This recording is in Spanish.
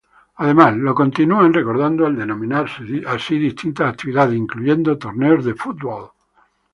Además, lo continúan recordando al denominar así distintas actividades, incluyendo torneos de fútbol.